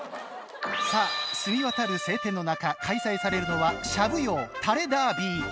さあ澄み渡る晴天の中開催されるのは「しゃぶ葉」たれダービー。